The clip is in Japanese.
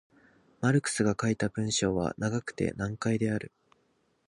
マルクスが書いた文章は長くて難解である。